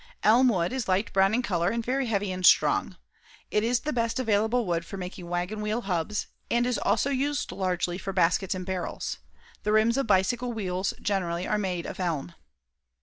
Elm wood is light brown in color and very heavy and strong. It is the best available wood for making wagon wheel hubs and is also used largely for baskets and barrels. The rims of bicycle wheels generally are made of elm.